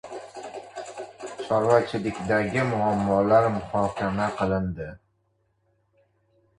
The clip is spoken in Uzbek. Chorvachilikdagi muammolar muhokama qilindi